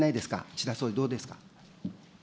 岸田総理、どうですか。